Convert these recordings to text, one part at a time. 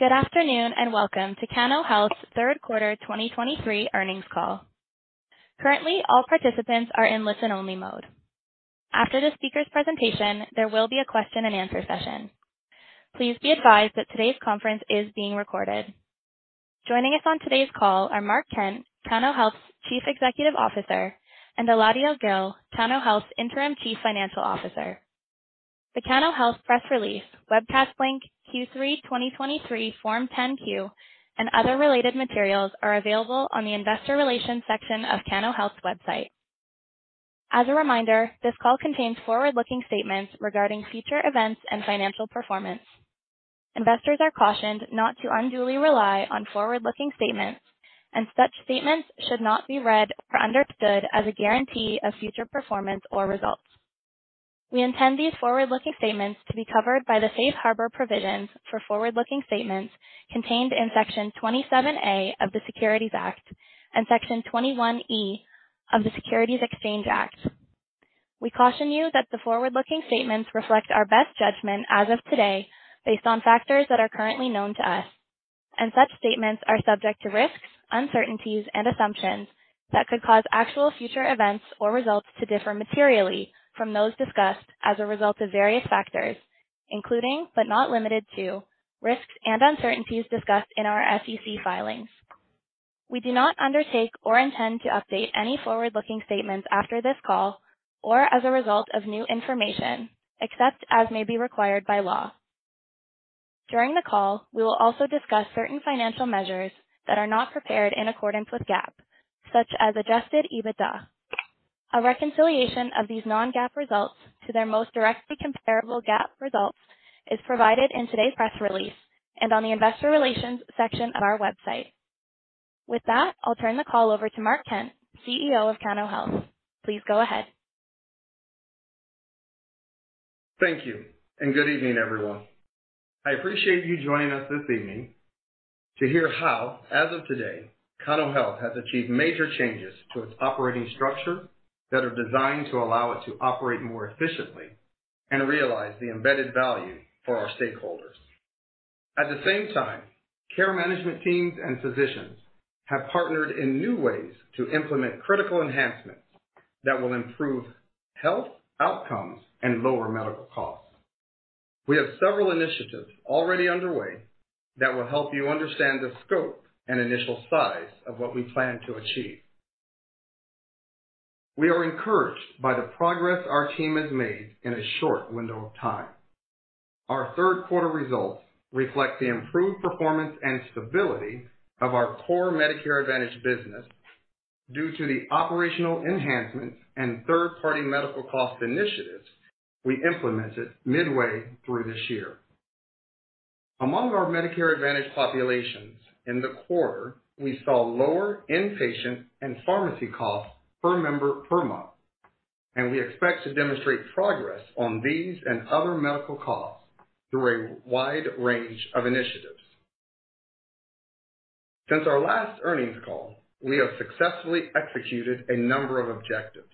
Good afternoon, and welcome to Cano Health's Q3 2023 earnings call. Currently, all participants are in listen-only mode. After the speaker's presentation, there will be a question and answer session. Please be advised that today's conference is being recorded. Joining us on today's call are Mark Kent, Cano Health's Chief Executive Officer, and Eladio Gil, Cano Health's Interim Chief Financial Officer. The Cano Health press release, webcast link Q3 2023, Form 10-Q, and other related materials are available on the investor relations section of Cano Health's website. As a reminder, this call contains forward-looking statements regarding future events and financial performance. Investors are cautioned not to unduly rely on forward-looking statements, and such statements should not be read or understood as a guarantee of future performance or results. We intend these forward-looking statements to be covered by the safe harbor provisions for forward-looking statements contained in Section 27A of the Securities Act and Section 21E of the Securities Exchange Act. We caution you that the forward-looking statements reflect our best judgment as of today, based on factors that are currently known to us, and such statements are subject to risks, uncertainties, and assumptions that could cause actual future events or results to differ materially from those discussed as a result of various factors, including, but not limited to, risks and uncertainties discussed in our SEC filings. We do not undertake or intend to update any forward-looking statements after this call or as a result of new information, except as may be required by law. During the call, we will also discuss certain financial measures that are not prepared in accordance with GAAP, such as Adjusted EBITDA. A reconciliation of these non-GAAP results to their most directly comparable GAAP results is provided in today's press release and on the investor relations section of our website. With that, I'll turn the call over to Mark Kent, CEO of Cano Health. Please go ahead. Thank you, and good evening, everyone. I appreciate you joining us this evening to hear how, as of today, Cano Health has achieved major changes to its operating structure that are designed to allow it to operate more efficiently and realize the embedded value for our stakeholders. At the same time, care management teams and physicians have partnered in new ways to implement critical enhancements that will improve health outcomes and lower medical costs. We have several initiatives already underway that will help you understand the scope and initial size of what we plan to achieve. We are encouraged by the progress our team has made in a short window of time. Our Q3 results reflect the improved performance and stability of our core Medicare Advantage business due to the operational enhancements and third-party medical cost initiatives we implemented midway through this year. Among our Medicare Advantage populations, in the quarter, we saw lower inpatient and pharmacy costs per member per month, and we expect to demonstrate progress on these and other medical costs through a wide range of initiatives. Since our last earnings call, we have successfully executed a number of objectives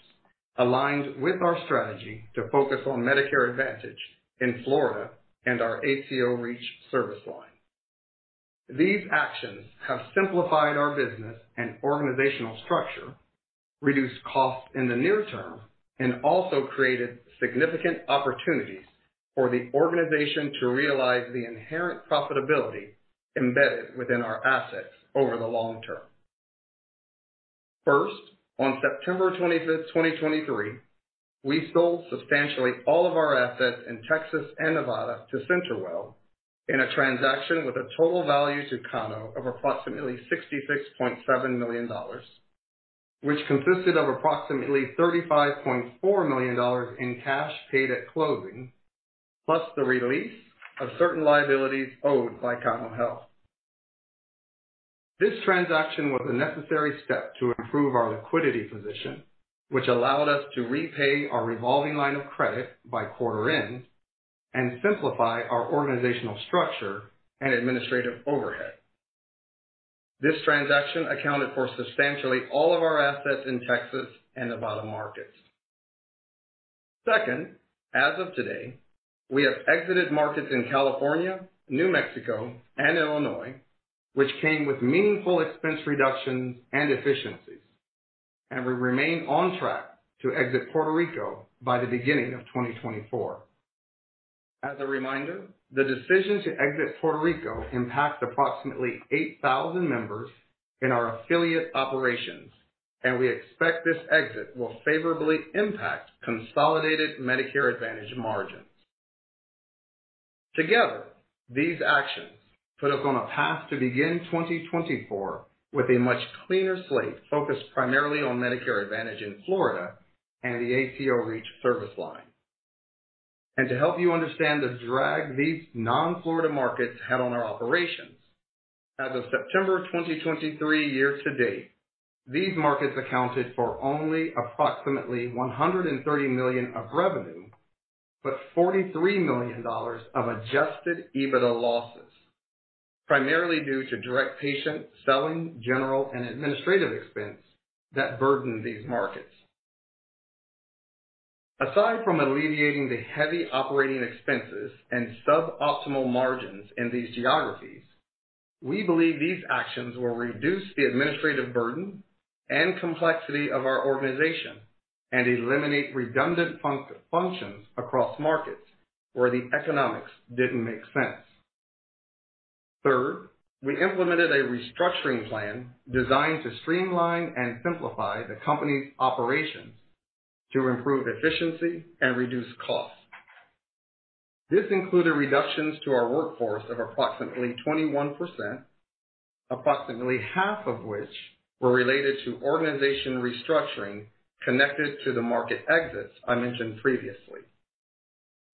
aligned with our strategy to focus on Medicare Advantage in Florida and our ACO REACH service line. These actions have simplified our business and organizational structure, reduced costs in the near term, and also created significant opportunities for the organization to realize the inherent profitability embedded within our assets over the long term. First, on September 25, 2023, we sold substantially all of our assets in Texas and Nevada to CenterWell, in a transaction with a total value to Cano of approximately $66.7 million, which consisted of approximately $35.4 million in cash paid at closing, plus the release of certain liabilities owed by Cano Health. This transaction was a necessary step to improve our liquidity position, which allowed us to repay our revolving line of credit by quarter end and simplify our organizational structure and administrative overhead. This transaction accounted for substantially all of our assets in Texas and Nevada markets. Second, as of today, we have exited markets in California, New Mexico, and Illinois, which came with meaningful expense reductions and efficiencies, and we remain on track to exit Puerto Rico by the beginning of 2024. As a reminder, the decision to exit Puerto Rico impacts approximately 8,000 members in our affiliate operations, and we expect this exit will favorably impact consolidated Medicare Advantage margins. Together, these actions put us on a path to begin 2024 with a much cleaner slate, focused primarily on Medicare Advantage in Florida and the ACO REACH service line. To help you understand the drag these non-Florida markets had on our operations, as of September 2023 year-to-date, these markets accounted for only approximately $130 million of revenue, but $43 million of adjusted EBITDA losses, primarily due to direct patient, selling, general, and administrative expense that burdened these markets.... Aside from alleviating the heavy operating expenses and suboptimal margins in these geographies, we believe these actions will reduce the administrative burden and complexity of our organization and eliminate redundant functions across markets where the economics didn't make sense. Third, we implemented a restructuring plan designed to streamline and simplify the company's operations to improve efficiency and reduce costs. This included reductions to our workforce of approximately 21%, approximately half of which were related to organization restructuring connected to the market exits I mentioned previously.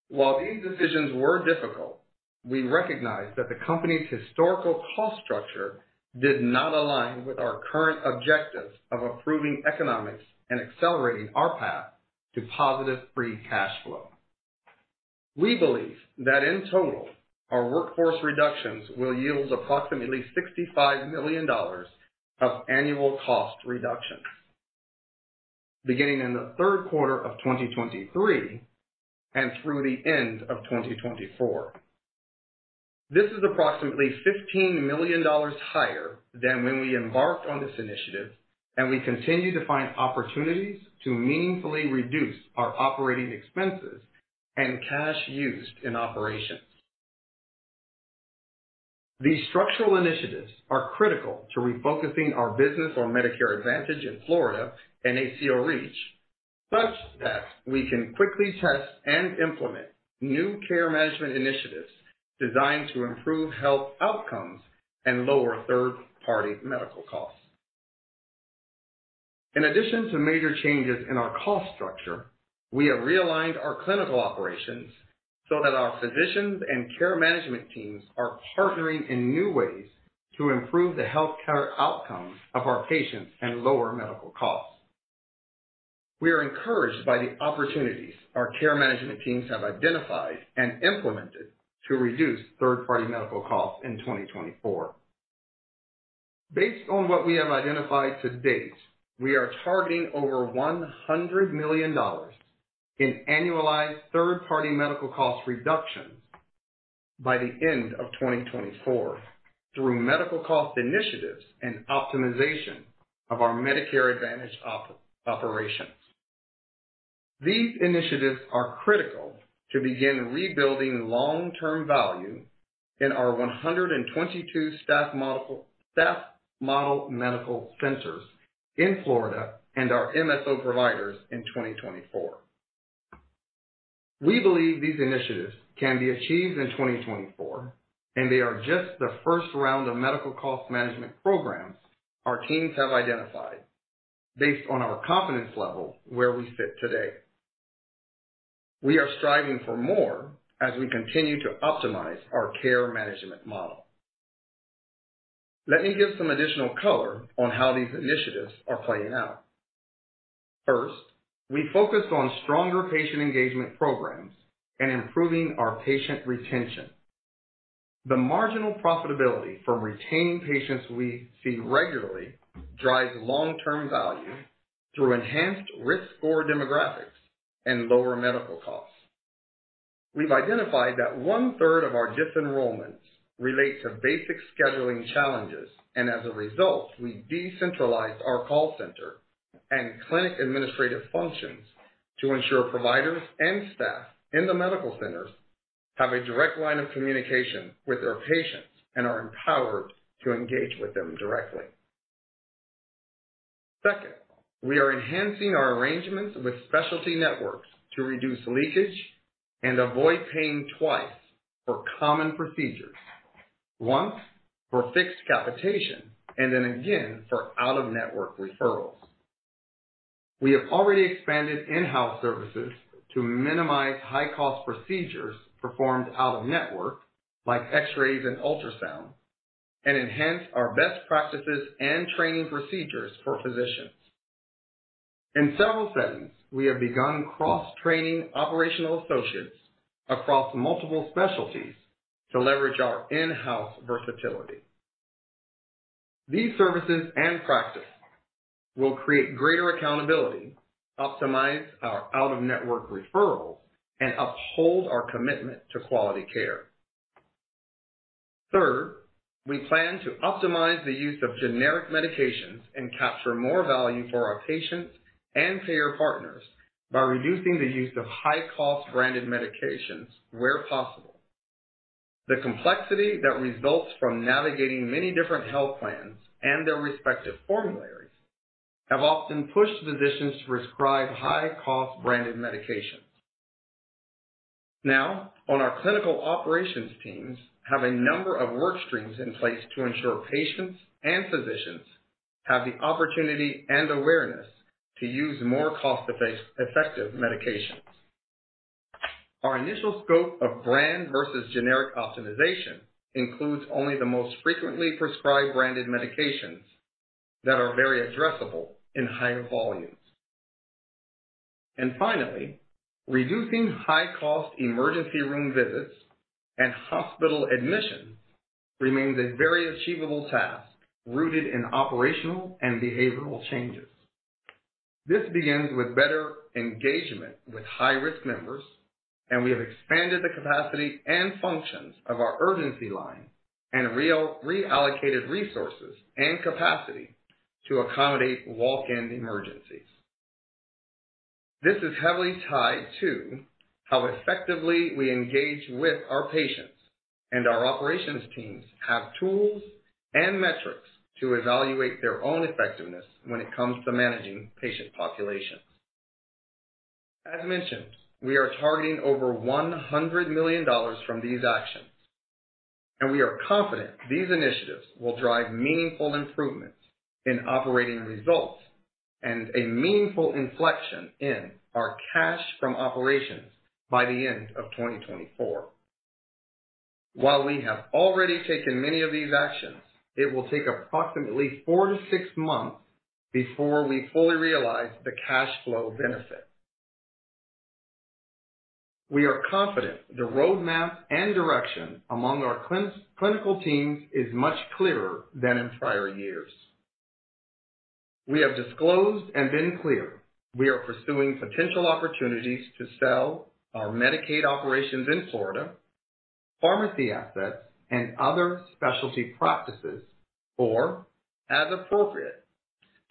While these decisions were difficult, we recognized that the company's historical cost structure did not align with our current objectives of improving economics and accelerating our path to positive free cash flow. We believe that in total, our workforce reductions will yield approximately $65 million of annual cost reductions, beginning in the Q3 of 2023 and through the end of 2024. This is approximately $15 million higher than when we embarked on this initiative, and we continue to find opportunities to meaningfully reduce our operating expenses and cash used in operations. These structural initiatives are critical to refocusing our business on Medicare Advantage in Florida and ACO REACH, such that we can quickly test and implement new care management initiatives designed to improve health outcomes and lower third-party medical costs. In addition to major changes in our cost structure, we have realigned our clinical operations so that our physicians and care management teams are partnering in new ways to improve the healthcare outcomes of our patients and lower medical costs. We are encouraged by the opportunities our care management teams have identified and implemented to reduce third-party medical costs in 2024. Based on what we have identified to date, we are targeting over $100 million in annualized third-party medical cost reductions by the end of 2024, through medical cost initiatives and optimization of our Medicare Advantage operations. These initiatives are critical to begin rebuilding long-term value in our 122 staff model medical centers in Florida and our MSO providers in 2024. We believe these initiatives can be achieved in 2024, and they are just the first round of medical cost management programs our teams have identified based on our confidence level, where we sit today. We are striving for more as we continue to optimize our care management model. Let me give some additional color on how these initiatives are playing out. First, we focused on stronger patient engagement programs and improving our patient retention. The marginal profitability from retaining patients we see regularly drives long-term value through enhanced risk score demographics and lower medical costs. We've identified that one-third of our disenrollments relate to basic scheduling challenges, and as a result, we decentralized our call center and clinic administrative functions to ensure providers and staff in the medical centers have a direct line of communication with their patients and are empowered to engage with them directly. Second, we are enhancing our arrangements with specialty networks to reduce leakage and avoid paying twice for common procedures, once for fixed capitation, and then again for out-of-network referrals. We have already expanded in-house services to minimize high-cost procedures performed out-of-network, like X-rays and ultrasound, and enhance our best practices and training procedures for physicians. In several settings, we have begun cross-training operational associates across multiple specialties to leverage our in-house versatility. These services and practices will create greater accountability, optimize our out-of-network referrals, and uphold our commitment to quality care. Third, we plan to optimize the use of generic medications and capture more value for our patients and payer partners by reducing the use of high-cost branded medications where possible. The complexity that results from navigating many different health plans and their respective formularies have often pushed physicians to prescribe high-cost branded medications. Now, on our clinical operations teams, have a number of work streams in place to ensure patients and physicians have the opportunity and awareness to use more cost-effective medications. Our initial scope of brand versus generic optimization includes only the most frequently prescribed branded medications that are very addressable in higher volumes. And finally, reducing high-cost emergency room visits and hospital admissions... remains a very achievable task, rooted in operational and behavioral changes. This begins with better engagement with high-risk members, and we have expanded the capacity and functions of our urgency line and reallocated resources and capacity to accommodate walk-in emergencies. This is heavily tied to how effectively we engage with our patients, and our operations teams have tools and metrics to evaluate their own effectiveness when it comes to managing patient populations. As mentioned, we are targeting over $100 million from these actions, and we are confident these initiatives will drive meaningful improvements in operating results and a meaningful inflection in our cash from operations by the end of 2024. While we have already taken many of these actions, it will take approximately 4-6 months before we fully realize the cash flow benefit. We are confident the roadmap and direction among our clinical teams is much clearer than in prior years. We have disclosed and been clear, we are pursuing potential opportunities to sell our Medicaid operations in Florida, pharmacy assets, and other specialty practices, or, as appropriate,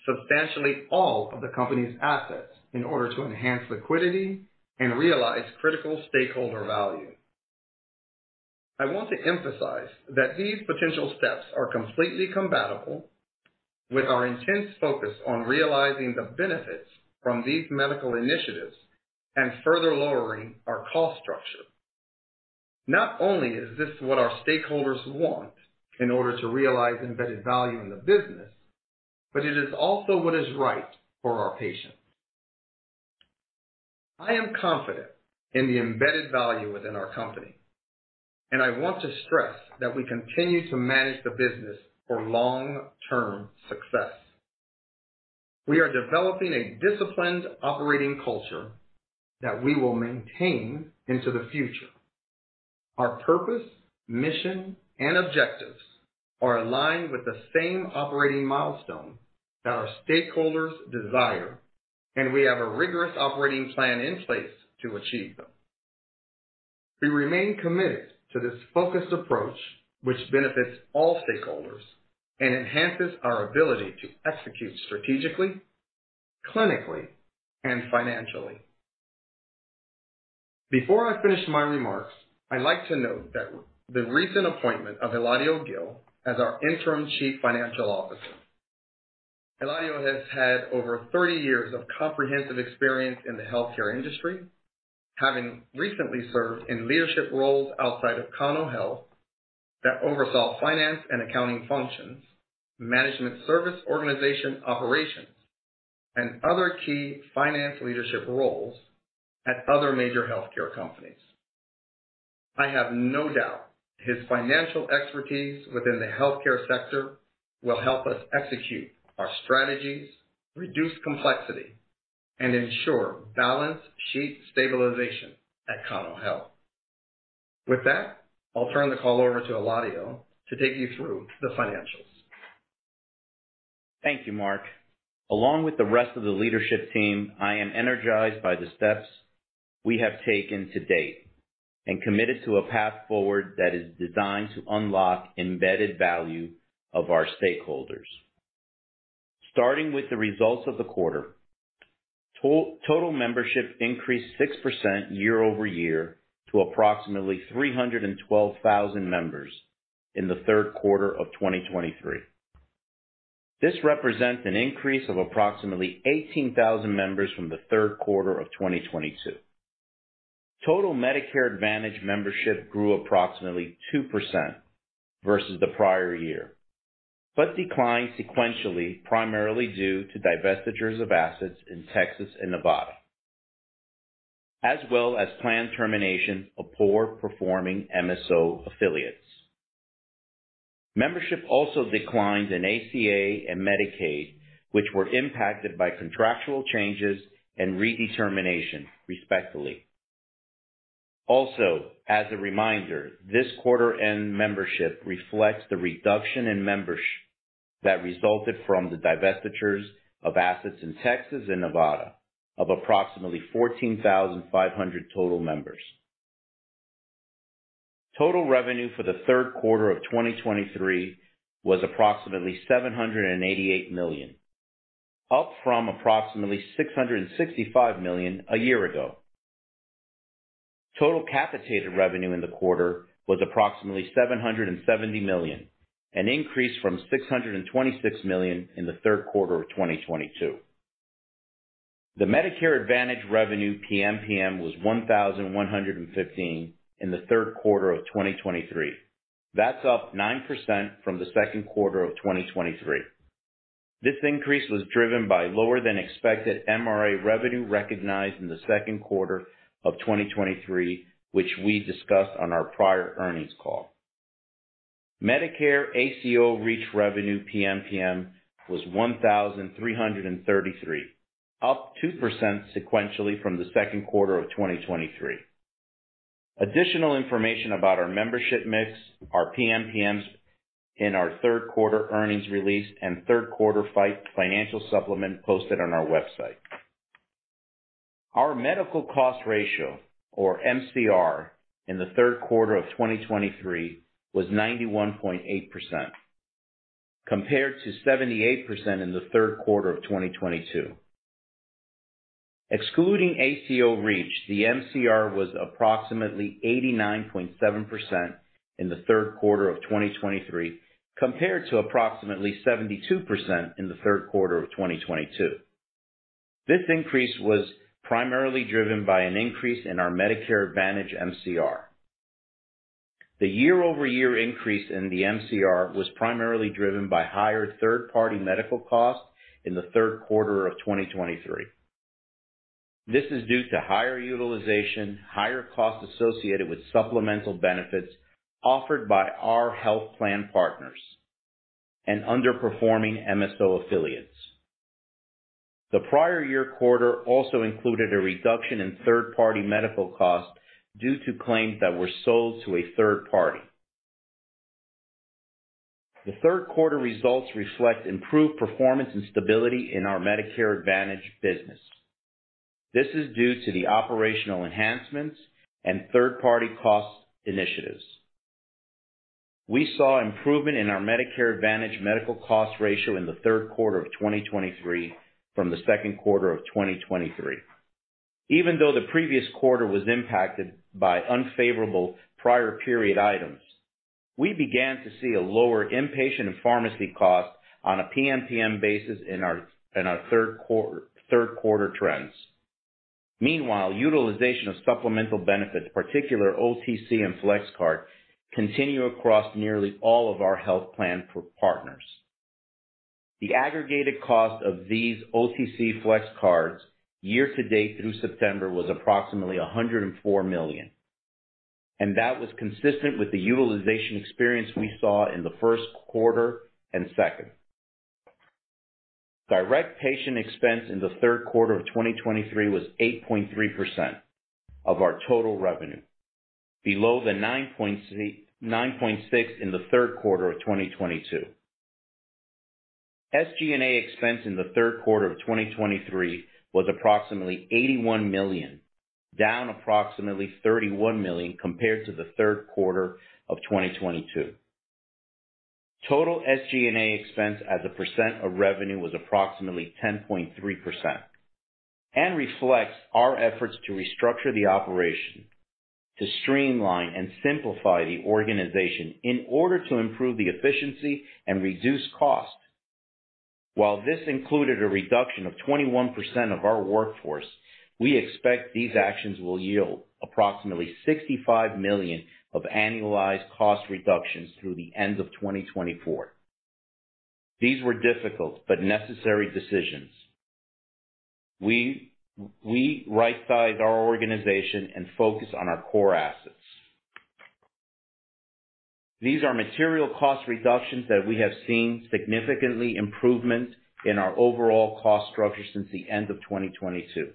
substantially all of the company's assets in order to enhance liquidity and realize critical stakeholder value. I want to emphasize that these potential steps are completely compatible with our intense focus on realizing the benefits from these medical initiatives and further lowering our cost structure. Not only is this what our stakeholders want in order to realize embedded value in the business, but it is also what is right for our patients. I am confident in the embedded value within our company, and I want to stress that we continue to manage the business for long-term success. We are developing a disciplined operating culture that we will maintain into the future. Our purpose, mission, and objectives are aligned with the same operating milestone that our stakeholders desire, and we have a rigorous operating plan in place to achieve them. We remain committed to this focused approach, which benefits all stakeholders and enhances our ability to execute strategically, clinically, and financially. Before I finish my remarks, I'd like to note that the recent appointment of Eladio Gil as our Interim Chief Financial Officer. Eladio has had over 30 years of comprehensive experience in the healthcare industry, having recently served in leadership roles outside of Cano Health, that oversaw finance and accounting functions, management service organization operations, and other key finance leadership roles at other major healthcare companies. I have no doubt his financial expertise within the healthcare sector will help us execute our strategies, reduce complexity, and ensure balance sheet stabilization at Cano Health. With that, I'll turn the call over to Eladio to take you through the financials. Thank you, Mark. Along with the rest of the leadership team, I am energized by the steps we have taken to date and committed to a path forward that is designed to unlock embedded value of our stakeholders. Starting with the results of the quarter, total membership increased 6% year-over-year to approximately 312,000 members in the Q3 of 2023. This represents an increase of approximately 18,000 members from the Q3 of 2022. Total Medicare Advantage membership grew approximately 2% versus the prior year, but declined sequentially, primarily due to divestitures of assets in Texas and Nevada, as well as planned termination of poor performing MSO affiliates. Membership also declined in ACA and Medicaid, which were impacted by contractual changes and redetermination, respectively. Also, as a reminder, this quarter-end membership reflects the reduction in membership that resulted from the divestitures of assets in Texas and Nevada of approximately 14,500 total members. Total revenue for the Q3 of 2023 was approximately $788 million, up from approximately $665 million a year ago. Total capitated revenue in the quarter was approximately $770 million, an increase from $626 million in the Q3 of 2022. The Medicare Advantage revenue PMPM was 1,115 in the Q3 of 2023. That's up 9% from the Q2 of 2023. This increase was driven by lower than expected MRA revenue recognized in the Q3 of 2023, which we discussed on our prior earnings call. Medicare ACO REACH revenue PMPM was 1,333, up 2% sequentially from the Q2 of 2023. Additional information about our membership mix, our PMPMs in our Q3 earnings release, and Q3 FY financial supplement posted on our website. Our medical cost ratio, or MCR, in the Q3 of 2023 was 91.8%, compared to 78% in the Q3 of 2022. Excluding ACO REACH, the MCR was approximately 89.7% in the Q3 of 2023, compared to approximately 72% in the Q3 of 2022. This increase was primarily driven by an increase in our Medicare Advantage MCR. The year-over-year increase in the MCR was primarily driven by higher third-party medical costs in the Q3 of 2023. This is due to higher utilization, higher costs associated with supplemental benefits offered by our health plan partners, and underperforming MSO affiliates. The prior year quarter also included a reduction in third-party medical costs due to claims that were sold to a third party. The Q3 results reflect improved performance and stability in our Medicare Advantage business. This is due to the operational enhancements and third-party cost initiatives. We saw improvement in our Medicare Advantage medical cost ratio in the Q3 of 2023 from the Q2 of 2023. Even though the previous quarter was impacted by unfavorable prior period items, we began to see a lower inpatient and pharmacy cost on a PMPM basis in our Q3 trends. Meanwhile, utilization of supplemental benefits, particularly OTC and Flex Card, continue across nearly all of our health plan partners. The aggregated cost of these OTC FlexCards year to date through September was approximately $104 million, and that was consistent with the utilization experience we saw in the Q1 and second. Direct patient expense in the Q3 of 2023 was 8.3% of our total revenue, below the 9.6, 9.6 in the Q3 of 2022. SG&A expense in the Q3 of 2023 was approximately $81 million, down approximately $31 million compared to the Q3 of 2022. Total SG&A expense as a percent of revenue was approximately 10.3% and reflects our efforts to restructure the operation, to streamline and simplify the organization in order to improve the efficiency and reduce costs. While this included a reduction of 21% of our workforce, we expect these actions will yield approximately $65 million of annualized cost reductions through the end of 2024. These were difficult but necessary decisions. We rightsized our organization and focus on our core assets. These are material cost reductions that we have seen significantly improvement in our overall cost structure since the end of 2022.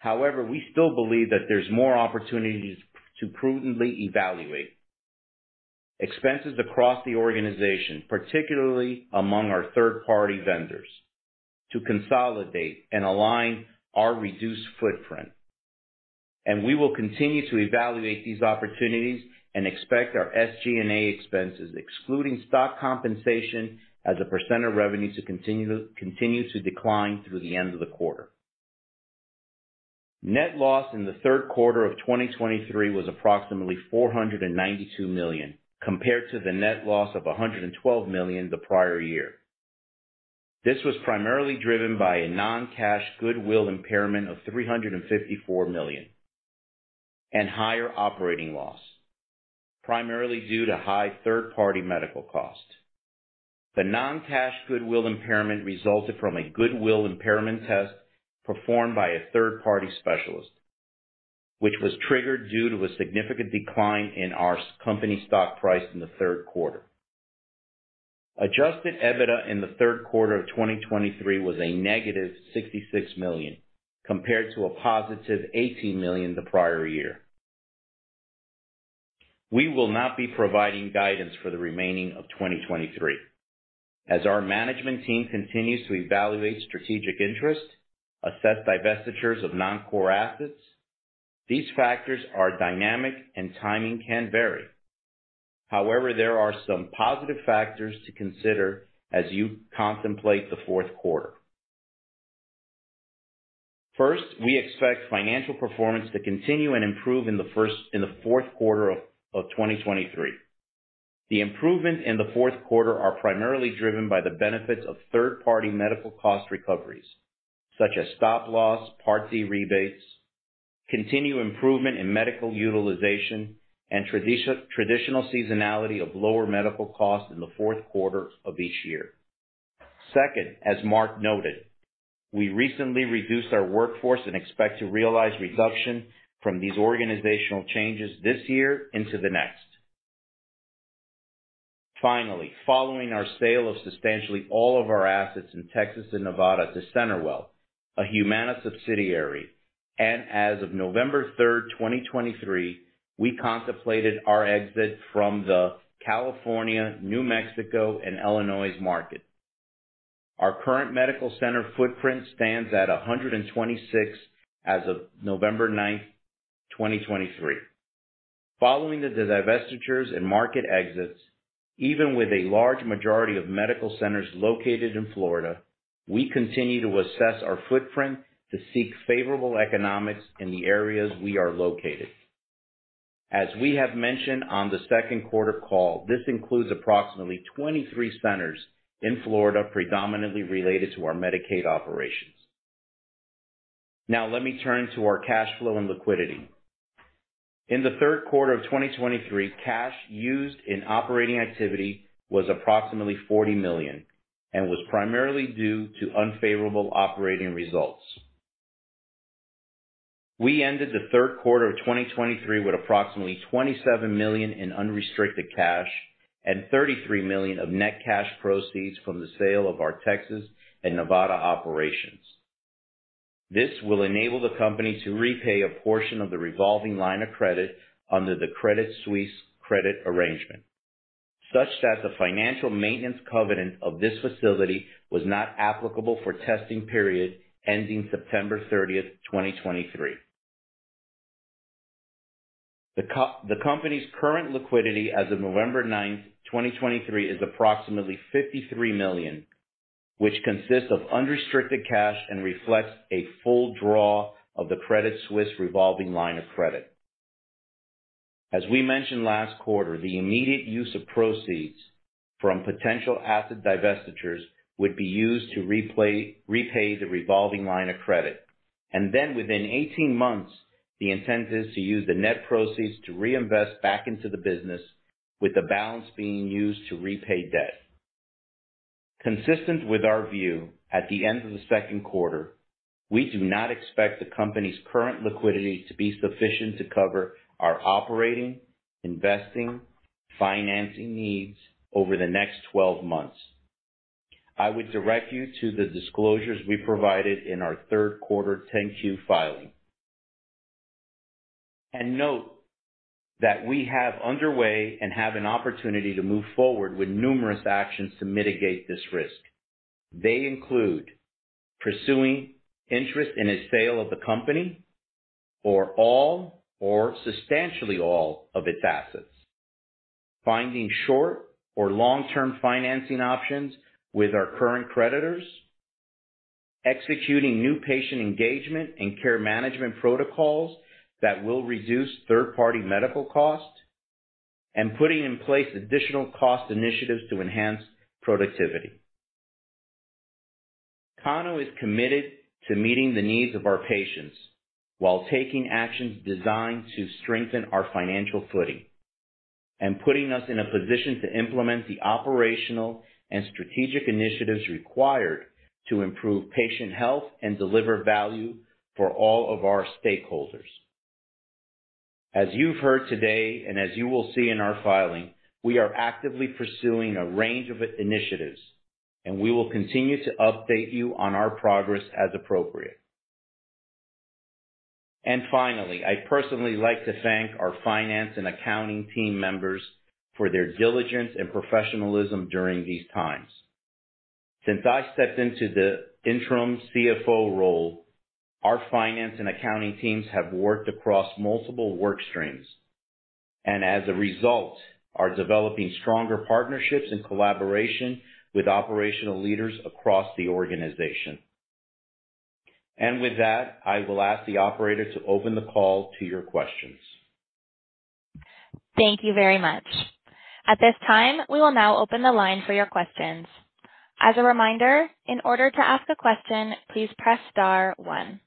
However, we still believe that there's more opportunities to prudently evaluate expenses across the organization, particularly among our third-party vendors, to consolidate and align our reduced footprint. We will continue to evaluate these opportunities and expect our SG&A expenses, excluding stock compensation, as a % of revenue, to continue to decline through the end of the quarter. Net loss in the Q3 of 2023 was approximately $492 million, compared to the net loss of $112 million the prior year. This was primarily driven by a non-cash goodwill impairment of $354 million and higher operating loss, primarily due to high third-party medical costs. The non-cash goodwill impairment resulted from a goodwill impairment test performed by a third-party specialist, which was triggered due to a significant decline in our company stock price in the Q3. Adjusted EBITDA in the Q3 of 2023 was negative $66 million, compared to positive $18 million the prior year. We will not be providing guidance for the remaining of 2023, as our management team continues to evaluate strategic interest, assess divestitures of non-core assets. These factors are dynamic and timing can vary. However, there are some positive factors to consider as you contemplate the Q4. First, we expect financial performance to continue and improve in the Q4 of 2023. The improvement in the Q4 are primarily driven by the benefits of third-party medical cost recoveries, such as stop-loss, Part D rebates, continued improvement in medical utilization, and traditional seasonality of lower medical costs in the Q4 of each year. Second, as Mark noted, we recently reduced our workforce and expect to realize reduction from these organizational changes this year into the next. Finally, following our sale of substantially all of our assets in Texas and Nevada to CenterWell, a Humana subsidiary, and as of November 3, 2023, we contemplated our exit from the California, New Mexico, and Illinois market. Our current medical center footprint stands at 126 as of November ninth, 2023. Following the divestitures and market exits, even with a large majority of medical centers located in Florida, we continue to assess our footprint to seek favorable economics in the areas we are located. As we have mentioned on the Q2 call, this includes approximately 23 centers in Florida, predominantly related to our Medicaid operations. Now let me turn to our cash flow and liquidity. In the Q3 of 2023, cash used in operating activity was approximately $40 million and was primarily due to unfavorable operating results. We ended the Q3 of 2023 with approximately $27 million in unrestricted cash and $33 million of net cash proceeds from the sale of our Texas and Nevada operations. This will enable the company to repay a portion of the revolving line of credit under the Credit Suisse credit arrangement, such that the financial maintenance covenant of this facility was not applicable for testing period ending September 30, 2023. The company's current liquidity as of November 9, 2023, is approximately $53 million, which consists of unrestricted cash and reflects a full draw of the Credit Suisse revolving line of credit. As we mentioned last quarter, the immediate use of proceeds from potential asset divestitures would be used to repay the revolving line of credit, and then within 18 months, the intent is to use the net proceeds to reinvest back into the business, with the balance being used to repay debt. Consistent with our view, at the end of the Q2, we do not expect the company's current liquidity to be sufficient to cover our operating, investing, financing needs over the next twelve months. I would direct you to the disclosures we provided in our Q3 10-Q filing. Note that we have underway and have an opportunity to move forward with numerous actions to mitigate this risk. They include pursuing interest in a sale of the company or all or substantially all of its assets, finding short or long-term financing options with our current creditors, executing new patient engagement and care management protocols that will reduce third-party medical costs, and putting in place additional cost initiatives to enhance productivity. Cano is committed to meeting the needs of our patients while taking actions designed to strengthen our financial footing and putting us in a position to implement the operational and strategic initiatives required to improve patient health and deliver value for all of our stakeholders. As you've heard today, and as you will see in our filing, we are actively pursuing a range of initiatives, and we will continue to update you on our progress as appropriate. Finally, I'd personally like to thank our finance and accounting team members for their diligence and professionalism during these times. Since I stepped into the interim CFO role, our finance and accounting teams have worked across multiple work streams, and as a result, are developing stronger partnerships and collaboration with operational leaders across the organization. With that, I will ask the operator to open the call to your questions. Thank you very much. At this time, we will now open the line for your questions. As a reminder, in order to ask a question, please press star one.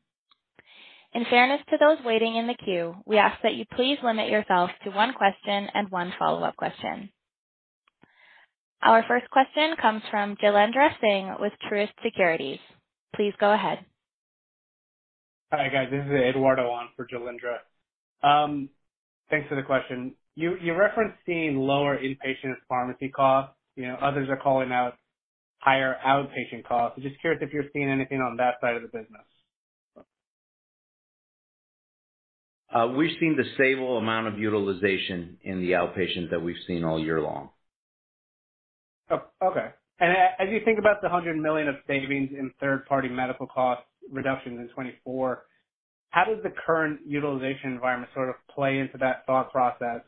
In fairness to those waiting in the queue, we ask that you please limit yourself to one question and one follow-up question. Our first question comes from Jailendra Singh with Truist Securities. Please go ahead. Hi, guys. This is Eduardo on for Jailendra. Thanks for the question. You referenced seeing lower inpatient pharmacy costs. You know, others are calling out higher outpatient costs. I'm just curious if you're seeing anything on that side of the business? We've seen the same amount of utilization in the outpatient that we've seen all year long. Oh, okay. As you think about the $100 million of savings in third-party medical costs reductions in 2024, how does the current utilization environment sort of play into that thought process?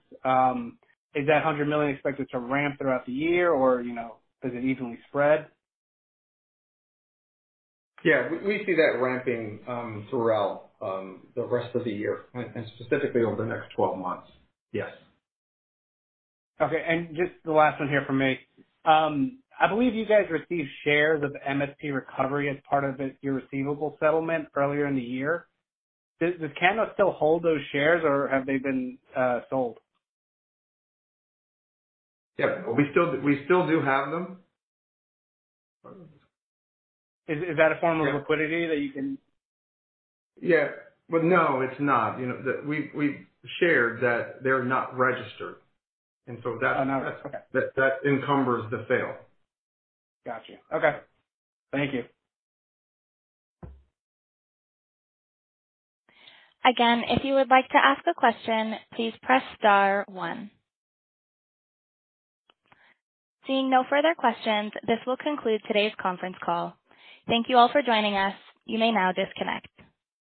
Is that $100 million expected to ramp throughout the year, or, you know, does it evenly spread? Yeah, we see that ramping throughout the rest of the year and specifically over the next 12 months. Yes. Okay, and just the last one here from me. I believe you guys received shares of MSP Recovery as part of your receivable settlement earlier in the year. Does Cano still hold those shares or have they been sold? Yeah, we still do have them. Is that a form of liquidity that you can- Yeah, but no, it's not. You know, we've shared that they're not registered, and so that- I know, okay. That encumbers the sale. Gotcha. Okay. Thank you. Again, if you would like to ask a question, please press star one. Seeing no further questions, this will conclude today's conference call. Thank you all for joining us. You may now disconnect.